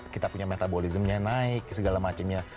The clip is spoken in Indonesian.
kita punya metabolismenya naik segala macemnya